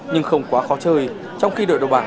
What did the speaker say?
nhưng không quá khó chơi trong khi đội đầu bảng